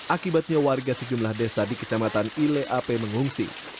akibatnya warga sejumlah desa di kecamatan ileape mengungsi